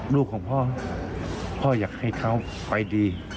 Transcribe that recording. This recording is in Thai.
ลูกของพ่อพ่ออยากให้เขาไปดี